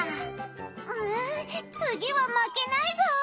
うつぎはまけないぞ！